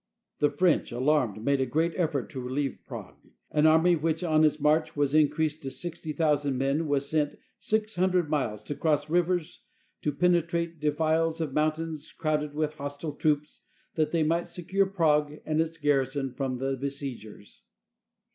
The French, alarmed, made a great effort to relieve Prague. An army, which on its march was increased to 60,000 men, was sent 600 miles to cross rivers, to pene trate defiles of mountains crowded with hostile troops that they might rescue Prague and its garrison from the besiegers.